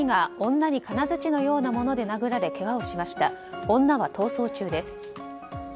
女は逃走中です。